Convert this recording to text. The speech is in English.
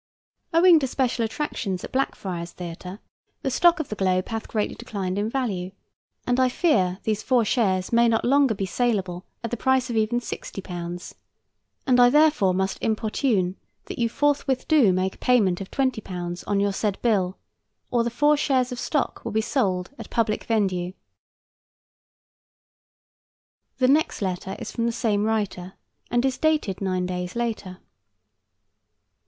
Owing to special attractions at Blackfriars' Theatre, the stock of the Globe hath greatly declined in value, and I fear these four shares may not longer be salable at the price of even £60, and I therefore must importune that you forthwith do make a payment of £20 on your said bill, or the four shares of stock will be sold at public vendue. The next letter is from the same writer, and is dated nine days later.